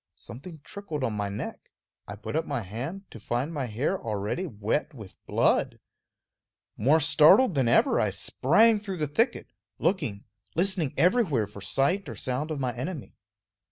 Something trickled on my neck; I put up my hand, to find my hair already wet with blood. More startled than ever, I sprang through the thicket, looking, listening everywhere for sight or sound of my enemy.